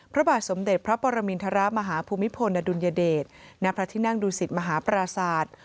พระบาทสมเด็จพระปรมินทรมาฮภูมิพลอดุลยเดชณพระที่นั่งดูสิตมหาปราศาสตร์